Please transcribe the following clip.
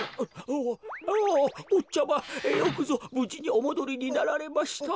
おぉぼっちゃまよくぞぶじにおもどりになられました。